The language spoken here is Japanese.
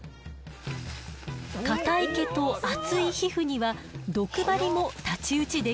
硬い毛と厚い皮膚には毒針も太刀打ちできないそうよ。